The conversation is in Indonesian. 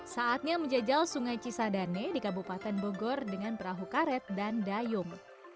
saatnya menjajal sungai cisadane di kabupaten bogor dengan perahu karet dan dayung